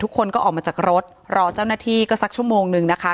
ทุกคนก็ออกมาจากรถรอเจ้าหน้าที่ก็สักชั่วโมงนึงนะคะ